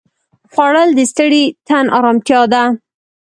خوړل د ستړي تن ارامتیا ده